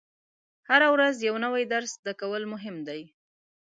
هره ورځ یو نوی درس زده کول مهم دي.